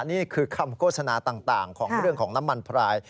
นี่คือคำโฆษณาต่างของเรื่องของน้ำมันพราย